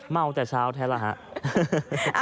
เมาแต่เช้าแท้ระหะ